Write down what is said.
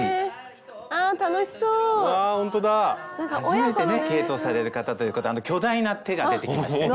初めてね毛糸をされる方ということで巨大な手が出てきまして。